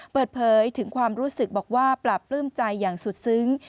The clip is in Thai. เปิดเผยถึงความรู้สึกบอกว่าปราบปลื้มใจอย่างสุดซึ้ง